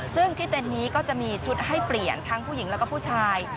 ซึ่งที่เต็นต์นี้ก็จะมีชุดให้เปลี่ยนทั้งผู้หญิงแล้วก็ผู้ชาย